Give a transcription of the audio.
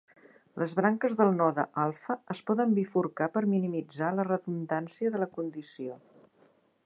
Les branques del node alfa es poden bifurcar per minimitzar la redundància de la condició.